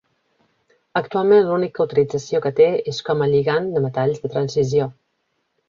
Actualment, l'única utilització que té és com a lligand de metalls de transició.